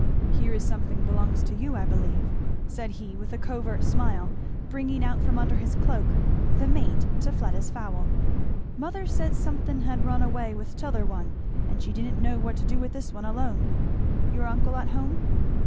"Here is something belongs to you, I believe," said he with a covert smile, bringing out from under his cloak the mate to Fleda's fowl; "mother said somethin' had run away with t'other one and she didn't know what to do with this one alone. Your uncle at home?"